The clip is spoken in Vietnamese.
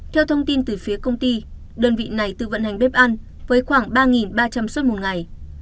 theo thông tin từ phía công ty đơn vị này tự vận hành bếp ăn với khoảng ba ba trăm linh suất một ngày